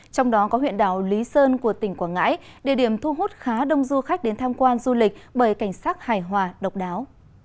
trong đó có huyện đảo lý sơn của tỉnh quảng ngãi địa điểm thu hút khá đông du khách đến tham quan du lịch bởi cảnh sát hài hòa độc đáo